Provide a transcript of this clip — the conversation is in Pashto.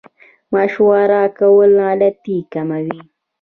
مشوره کول غلطي کموي